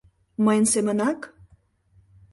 Мыйын семынак...